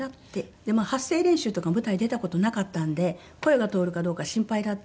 で発声練習とかも舞台に出た事なかったんで声が通るかどうか心配だった。